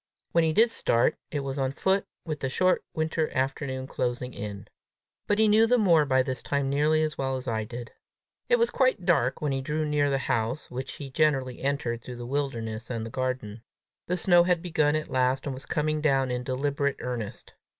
When he did start, it was on foot, with the short winter afternoon closing in. But he knew the moor by this time nearly as well as I did. It was quite dark when he drew near the house, which he generally entered through the wilderness and the garden. The snow had begun at last, and was coming down in deliberate earnest.